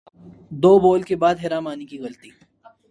دو بول کے بعد حرا مانی کی غلطی